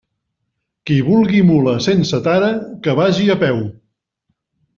Qui vulgui mula sense tara, que vagi a peu.